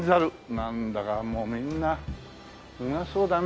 なんだかもうみんなうまそうだね。